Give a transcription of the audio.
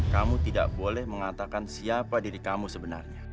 kamu tidak boleh mengatakan siapa diri kamu sebenarnya